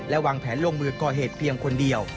วางแผนลงมือก่อเหตุเพียงคนเดียว